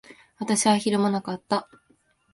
私はひるまなかった。